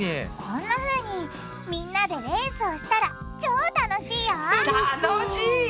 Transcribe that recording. こんなふうにみんなでレースをしたら超楽しいよ楽しい！